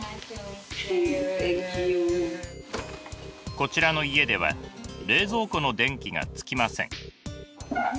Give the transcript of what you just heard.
こちらの家では冷蔵庫の電気がつきません。